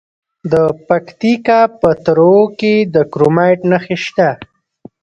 د پکتیکا په تروو کې د کرومایټ نښې شته.